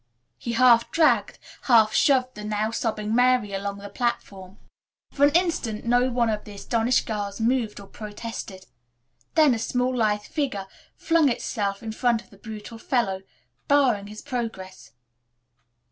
He half dragged, half shoved the now sobbing Mary along the platform. For an instant no one of the astonished girls moved or protested. Then a small, lithe figure flung itself in front of the brutal fellow, barring his progress.